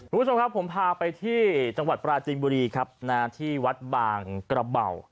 คุณผู้ชมครับผมพาไปที่จังหวัดปราจีนบุรีครับที่วัดบางกระเบา